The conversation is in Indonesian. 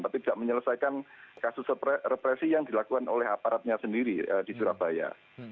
tapi tidak menyelesaikan kasus represi yang dilakukan oleh aparatnya sendiri di surabaya